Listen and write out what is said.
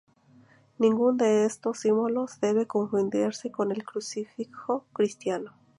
Ninguno de estos símbolos debe confundirse con el crucifijo cristiano.